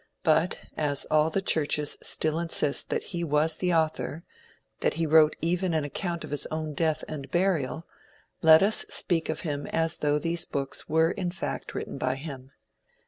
But, as all the churches still insist that he was the author, that he wrote even an account of his own death and burial, let us speak of him as though these books were in fact written by him.